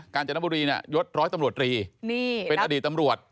การจนบุรีเนี่ยยดร้อยตำรวจตรีเป็นอดีตตำรวจ